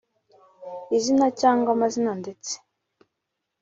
Izina cyangwa amazina ndetse